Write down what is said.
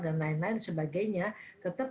dan lain lain dan sebagainya tetap